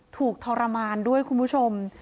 ทรมานด้วยคุณผู้ชม